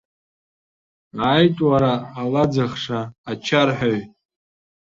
Ааит, уара алаӡахша, ачарҳәаҩ!